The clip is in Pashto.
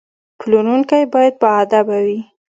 پلورونکی باید باادبه وي.